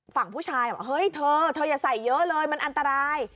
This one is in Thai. ฝั่งผู้ชายบอกเฮ้ยเธอเธออย่าใส่เยอะเลยมันอันตราย